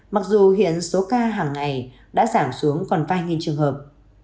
mặc dù hiện số ca hàng ngày đã giảm xuống còn vài nghìn trường hợp